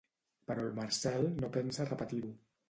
Però el Marcel no pensa repetir-ho.